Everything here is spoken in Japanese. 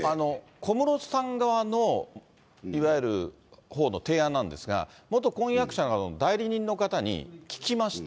小室さん側の、いわゆる、ほうの提案なんですが、元婚約者の方の代理人の方に聞きました。